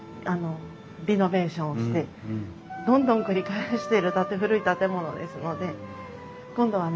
リノベーションをしてどんどん繰り返してる古い建物ですので今度はね